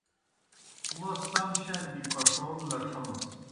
موْس سم شان گیْ پݜَون لڇھمَس۔